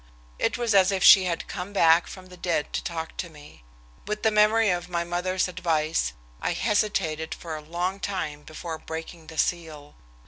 It was as if she had come back from the dead to talk to me. With the memory of my mother's advice, I hesitated for a long time before breaking the seal.